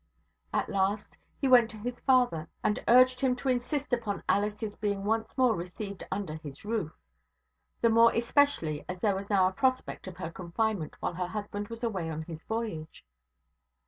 At last, he went to his father and urged him to insist upon Alice's being once more received under his roof; the more especially as there was now a prospect of her confinement while her husband was away on his voyage.